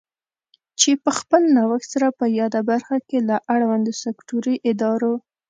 چې په خپل نوښت سره په یاده برخه کې له اړوندو سکټوري ادارو